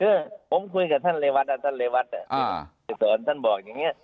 คือผมคุยกับท่านเรวัตท่านเรวัตจะสอนท่านบอกอย่างนี้